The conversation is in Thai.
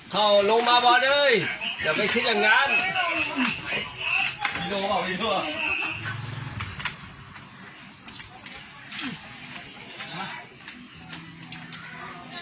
เข้าลงมาบอลเลยอย่าไปคิดอย่างงาน